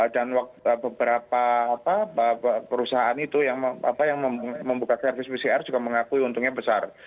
dan beberapa perusahaan itu yang membuka servis pcr juga mengakui untungnya besar